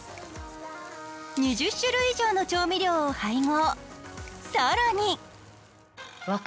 ２０種類以上の調味料を配合。